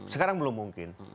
sekarang belum mungkin